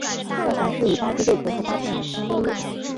外环饰以八只贝壳和八片香蕉叶。